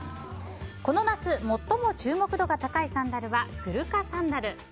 この夏最も注目度が高いサンダルは、グルカサンダル。